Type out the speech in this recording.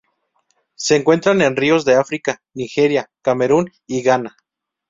Se encuentran en ríos de África: Nigeria, Camerún y Ghana.